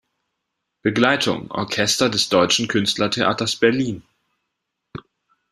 Begleitung: Orchester des Deutschen Künstler-Theaters, Berlin.